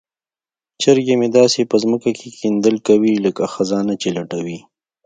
چرګې مې داسې په ځمکه کې کیندل کوي لکه خزانه چې لټوي.